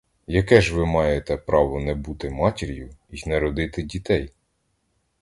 Яке ж ви маєте право не бути матір'ю й не родити дітей?